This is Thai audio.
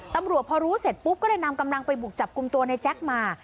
ตำรวจพอรู้เสร็จปุ๊บก็เลยนำกำลังไปบุกจับกลุ่มตัวในแจ๊คมา